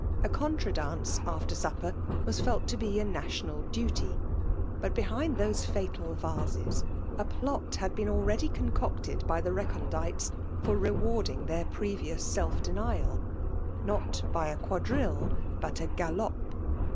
A ooBtra dance after sapper was felt to be a national dnty ; but behmd those fetal vases a plotiiad been already concocted by Ihe recoii> dites fer rewarding Aeir previous self denial, not by^ a qoadriUe, but a gakppe.